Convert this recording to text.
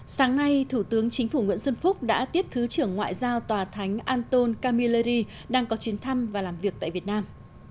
sáng nay thủ tướng chính phủ nguyễn xuân phúc đã tiếp thứ trưởng ngoại giao tòa thánh anton kamilery đang có chuyến thăm và làm việc tại việt nam